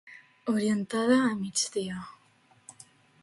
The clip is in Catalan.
Orientada a migdia.